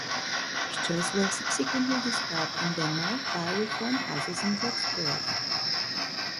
These mixtures were subsequently distributed in Denmark via reform houses and drugstores.